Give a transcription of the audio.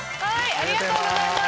ありがとうございます！